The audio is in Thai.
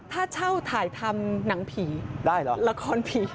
ถ้าเช่าถ่ายทำหนังผีละครผี